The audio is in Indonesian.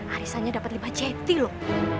arisannya dapat lima jeti loh